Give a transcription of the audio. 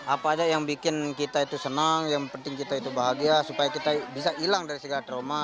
apa aja yang bikin kita itu senang yang penting kita itu bahagia supaya kita bisa hilang dari segala trauma